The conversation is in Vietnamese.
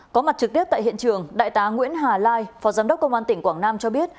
có mặt trực tiếp tại hiện trường đại tá nguyễn hà lai phó giám đốc công an tỉnh quảng nam cho biết